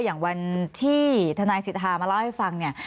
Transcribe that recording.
อย่างวันที่ทนายสิทธามาเล่าให้ฟังเนี่ย